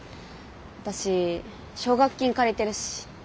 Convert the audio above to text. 私奨学金借りてるし。